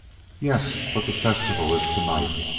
"Yes, but the festival is to night.